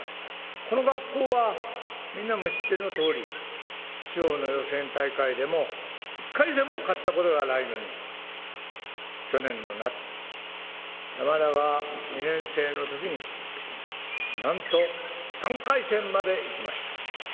この学校はみんなも知ってのとおり地方の予選大会でも１回戦も勝ったことがないのに去年の夏山田が２年生の時になんと３回戦まで行きました。